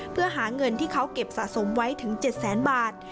เพื่อหาเงินที่เขาเก็บสะสมไว้ถึง๗แสนบาท